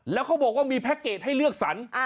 แล้วเขาบอกว่ามีแพ็คเกจให้เลือกสรร